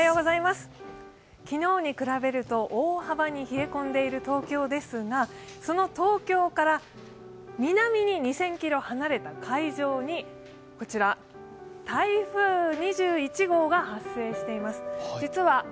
昨日に比べると大幅に冷え込んでいる東京ですがその東京から南に２０００ｋｍ離れた海上に台風２１号が発生しています。